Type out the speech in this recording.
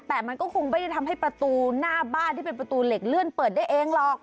แต่มันก็คงไม่ได้ทำให้ประตูหน้าบ้านที่เป็นประตูเหล็กเลื่อนเปิดได้เองหรอก